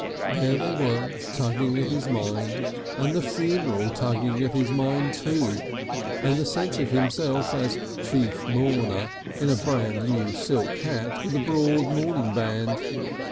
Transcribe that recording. There they were tugging at his mind, and the funeral tugging at his mind, too, and the sense of himself as Chief Mourner in a brand new silk hat with a broad mourning band.